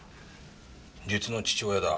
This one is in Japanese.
実の父親だ。